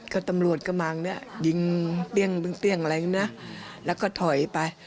ก็ตำรวจกำลังยิงเตี้ยงอะไรอย่างนี้นะแล้วก็ถอยไป